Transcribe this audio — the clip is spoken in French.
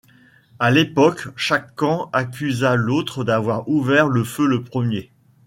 À l’époque, chaque camp accusa l’autre d'avoir ouvert le feu le premier.